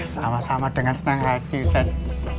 sama sama dengan senang hati saya